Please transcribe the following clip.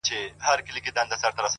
موږ په هر يو گاونډي وهلی گول دی”